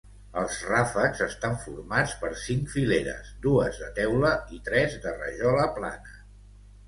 Els ràfecs estan formats per cinc fileres, dues de teula i tres de rajola plana.